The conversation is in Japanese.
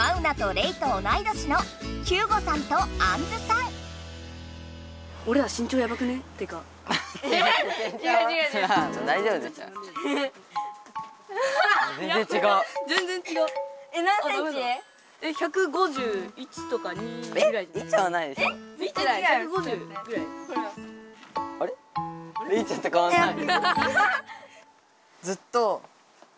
レイちゃんとかわんない。